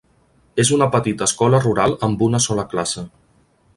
És una petita escola rural amb una sola classe.